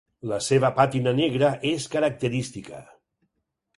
La seva pàtina negra és característica.